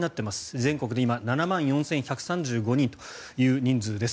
全国で今７万４１３５人という人数です。